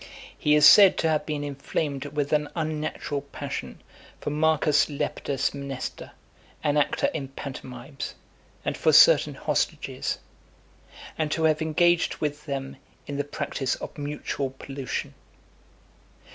He is said to have been inflamed with an unnatural passion for Marcus Lepidus Mnester, an actor in pantomimes, and for certain hostages; and to have engaged with them in the practice of mutual pollution.